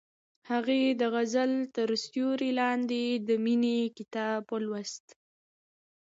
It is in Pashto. هغې د غزل تر سیوري لاندې د مینې کتاب ولوست.